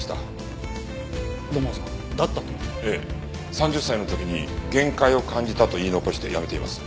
３０歳の時に限界を感じたと言い残して辞めています。